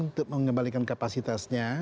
untuk mengembalikan kapasitasnya